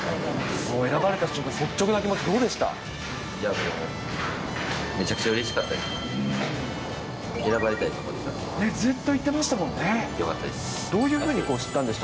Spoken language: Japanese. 選ばれた瞬間、率直な気持ち、どうでした？